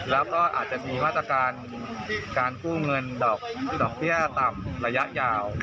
แล้วก็อาจจะมีมาตรการการกู้เงินดอกเบี้ยต่ำระยะยาว